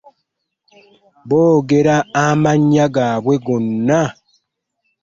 boogera amannya gwabwe goona.